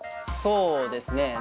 そうですね。